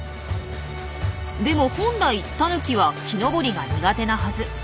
でも本来タヌキは木登りが苦手なはず。